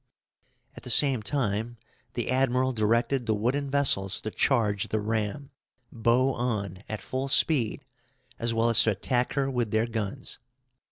'" At the same time, the admiral directed the wooden vessels to charge the ram, bow on, at full speed, as well as to attack her with their guns.